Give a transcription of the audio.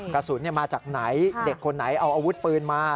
กระสุนมาจากไหนเด็กคนไหนเอาอาวุธปืนมา